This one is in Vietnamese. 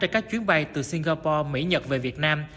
trên các chuyến bay từ singapore mỹ nhật về việt nam